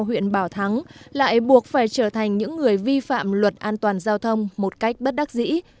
huyện bảo thắng lại buộc phải trở thành những người vi phạm luật an toàn giao thông một cách bất đắc dĩ